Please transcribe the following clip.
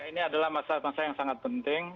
ini adalah masa masa yang sangat penting